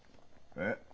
えっ？